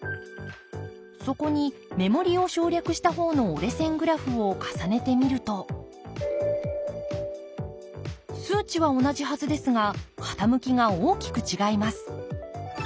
そこに目盛りを省略した方の折れ線グラフを重ねてみると数値は同じはずですが傾きが大きく違います。